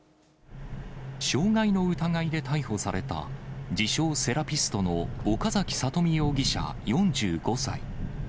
傷害の疑いで逮捕された自称セラピストの岡崎里美容疑者４５歳。